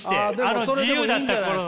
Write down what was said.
あの自由だった頃の？